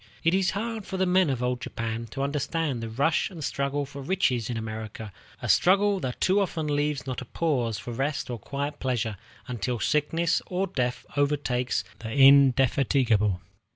It is hard for the men of old Japan to understand the rush and struggle for riches in America, a struggle that too often leaves not a pause for rest or quiet pleasure until sickness or death overtakes the indefatigable worker.